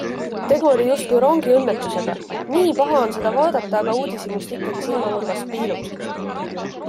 Tegu oli justkui rongiõnnetusega - nii paha on seda vaadata, aga uudishimust ikkagi silmanurgast piilud.